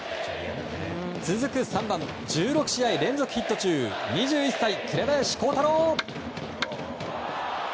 続く、３番１６試合連続ヒット中２１歳、紅林弘太郎。